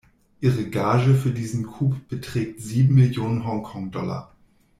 Ihre "Gage" für diesen Coup beträgt sieben Millionen Hong-Kong-Dollar.